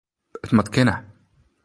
It moat kinne.